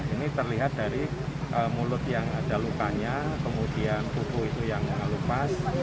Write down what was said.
ini terlihat dari mulut yang ada lukanya kemudian kuku itu yang lepas